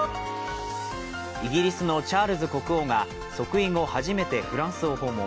イギリスのチャールズ国王が即位後初めてフランスを訪問。